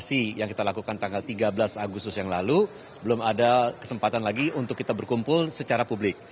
vaksinasi yang kita lakukan tanggal tiga belas agustus yang lalu belum ada kesempatan lagi untuk kita berkumpul secara publik